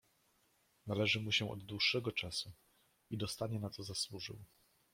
"Należy się mu od dłuższego czasu i dostanie na co zasłużył."